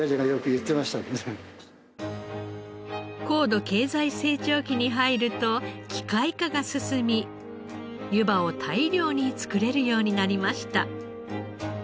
高度経済成長期に入ると機械化が進みゆばを大量に作れるようになりました。